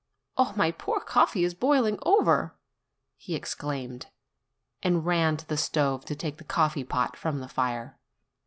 "Oh, my poor coffee is boil ing over !" he exclaimed, and ran to the stove to take the coffee pot from the fire.